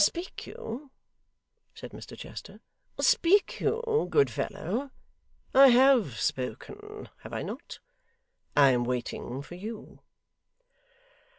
'Speak you,' said Mr Chester, 'speak you, good fellow. I have spoken, have I not? I am waiting for you.